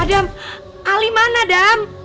adam ali mana adam